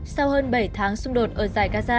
sau hơn bảy tháng xung đột ở dài gaza